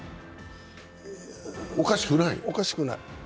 おかしくない。